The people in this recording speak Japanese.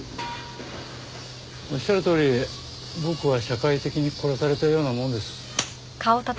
おっしゃるとおり僕は社会的に殺されたようなもんです。